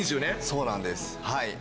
そうなんです。